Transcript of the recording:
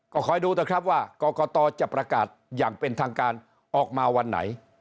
ก็คอยดูเถอะครับว่ากรกตจะประกาศอย่างเป็นทางการออกมาวันไหน